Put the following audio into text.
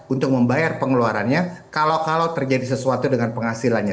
untuk membayar pengeluarannya kalau kalau terjadi sesuatu dengan penghasilannya